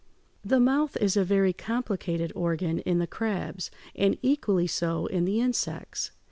The mouth is a very complicated organ in the crabs, and equally so in the insects.